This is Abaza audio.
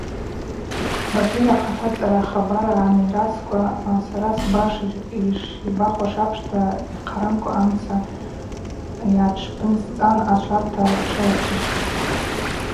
Бакьыр ахъатацара ахабар гӏаймыргаскӏва сара сбаш йшбахуашыз апшта йхъарамкӏва амца йатшпынсцӏан ачварта тшыласрышвхтӏ.